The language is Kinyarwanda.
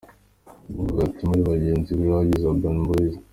Nguwo hagati muri bagenzi bagize Urban Boyz.